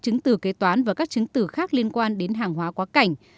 chứng từ kế toán và các chứng tử khác liên quan đến hàng hóa quá cảnh